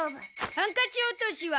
ハンカチ落としは？